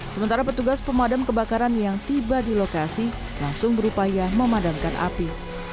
sementara petugas pemadam kebakaran yang tiba di lokasi langsung berupaya memadamkan api